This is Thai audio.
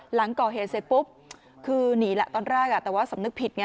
หลังก่อเหตุเสร็จปุ๊บคือหนีแหละตอนแรกแต่ว่าสำนึกผิดไง